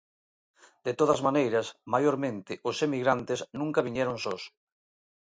De todas maneiras, maiormente os emigrantes nunca viñeron sós.